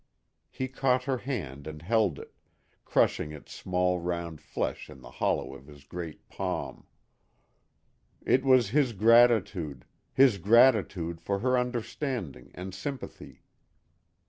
He caught her hand and held it, crushing its small round flesh in the hollow of his great palm. It was his gratitude, his gratitude for her understanding and sympathy.